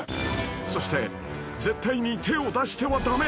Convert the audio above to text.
そして絶対に手を出してはダメ！